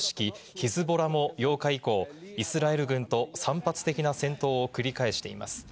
ヒズボラも８日以降、イスラエル軍と散発的な戦闘を繰り返しています。